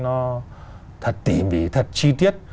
nó thật tỉ mỉ thật chi tiết